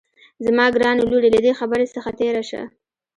زما ګرانې لورې له دې خبرې څخه تېره شه